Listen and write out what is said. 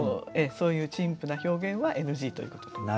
そういう陳腐な表現はＮＧということで。